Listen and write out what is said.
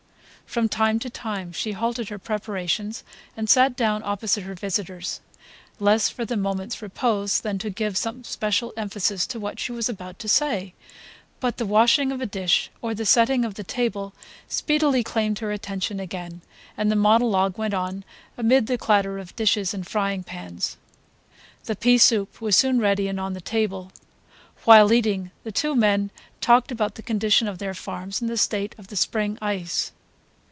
From time to time she halted her preparations and sat down opposite her visitors, less for the moments repose than to give some special emphasis to what she was about to say; but the washing of a dish or the setting of the table speedily claimed her attention again, and the monologue went on amid the clatter of dishes and frying pans. The pea soup was soon ready and on the table. While eating, the two men talked about the condition of their farms and the state of the spring ice.